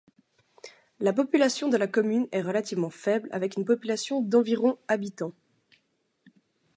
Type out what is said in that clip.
La population de la commune est relativement faible avec une population d'environ habitants.